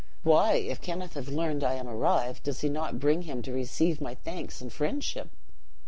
Why, if Kenneth have learned I am arrived, does he not bring him to receive my thanks and friendship?"